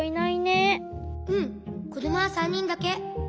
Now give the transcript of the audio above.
うんこどもは３にんだけ。